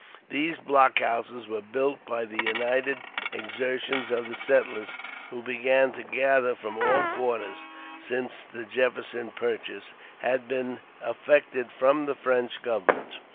These block houses were built by the united exertions of the settlej s, who began to gather from all quarters since the "Jefferson Purchase" had been effected from the French Government.